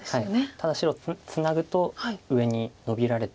ただ白ツナぐと上にノビられて。